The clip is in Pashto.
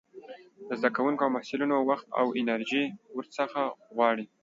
د زده کوونکو او محصلينو وخت او انرژي ورڅخه غواړي.